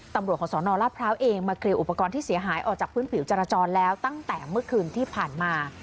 ตำรวจของสนราชพร้าวเองมาเคลียร์อุปกรณ์ที่เสียหายออกจากพื้นผิวจราจรแล้วตั้งแต่เมื่อคืนที่ผ่านมา